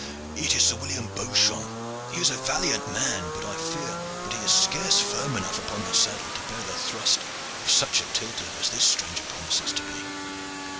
"It is Sir William Beauchamp. He is a valiant man, but I fear that he is scarce firm enough upon the saddle to bear the thrust of such a tilter as this stranger promises to be."